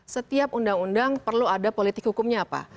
setiap undang undang perlu ada politik hukumnya apa